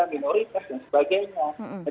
minoritas dan sebagainya